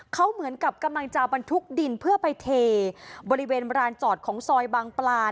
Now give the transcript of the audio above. เขาเหมือนกับกำลังจาบันทุกทุกวันที่ดินเพื่อไปเทบริเวณรานจอดของซอยบังประหลาด